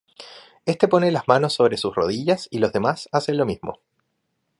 Este pone las manos sobre sus rodillas y los demás hacen lo mismo.